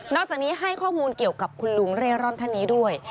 จากนี้ให้ข้อมูลเกี่ยวกับคุณลุงเร่ร่อนท่านนี้ด้วย